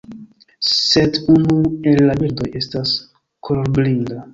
Sed unu el la birdoj estas kolorblinda.